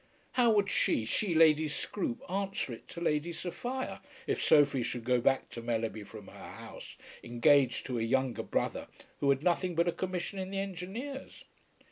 How would she, she, Lady Scroope, answer it to Lady Sophia, if Sophie should go back to Mellerby from her house, engaged to a younger brother who had nothing but a commission in the Engineers?